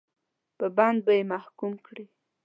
په بند به یې محکوم کړي.